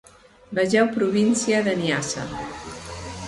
Vegeu Província de Niassa.